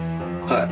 はい。